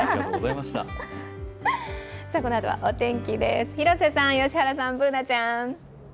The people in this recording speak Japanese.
このあとはお天気です、広瀬さん、良原さん、Ｂｏｏｎａちゃん。